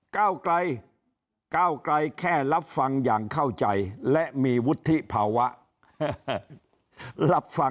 ก้าวไกลก้าวไกลแค่รับฟังอย่างเข้าใจและมีวุฒิภาวะรับฟัง